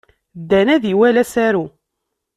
Dan ad iwali asaru.